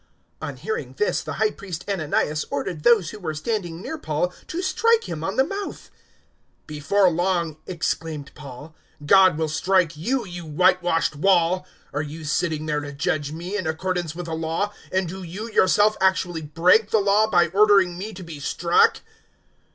023:002 On hearing this the High Priest Ananias ordered those who were standing near Paul to strike him on the mouth. 023:003 "Before long," exclaimed Paul, "God will strike you, you white washed wall! Are you sitting there to judge me in accordance with the Law, and do you yourself actually break the Law by ordering me to be struck?"